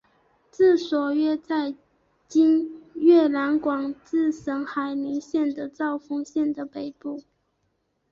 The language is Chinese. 治所约在今越南广治省海陵县和肇丰县的北部。